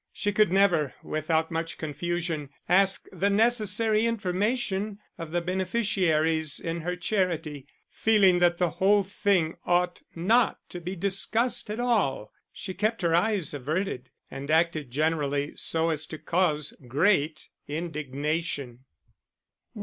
She could never, without much confusion, ask the necessary information of the beneficiaries in her charity; feeling that the whole thing ought not to be discussed at all, she kept her eyes averted, and acted generally so as to cause great indignation.